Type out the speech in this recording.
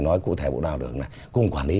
nói cụ thể bộ nào được nữa cùng quản lý